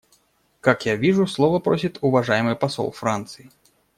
Как я вижу, слова просит уважаемый посол Франции.